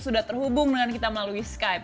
sudah terhubung dengan kita melalui skype